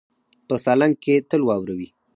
په سالنګ کې تل واوره وي.